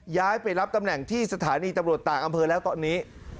ย้ายไปรับตำแหน่งที่สถานีตำรวจต่างอำเภอแล้วตอนนี้